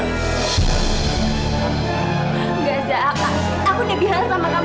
tidak zah aku sudah biasa sama kamu